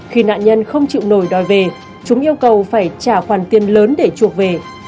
khi nạn nhân không chịu nổi đòi về chúng yêu cầu phải trả khoản tiền lớn để chuộc về